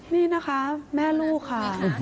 นี่นะคะแม่ลูกค่ะ